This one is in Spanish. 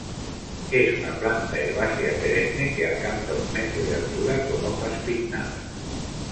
Es una planta herbácea perenne que alcanza un metro de altura con hojas pinnadas.